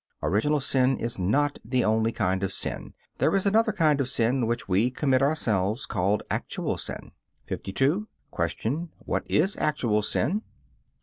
Original sin is not the only kind of sin; there is another kind of sin, which we commit ourselves, called actual sin. 52. Q. What is actual sin?